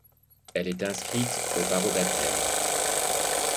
Elle est inscrite au barreau d'Athènes.